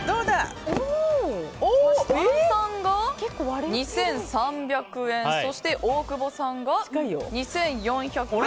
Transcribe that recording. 設楽さんが２３００円そして大久保さんが２４００円。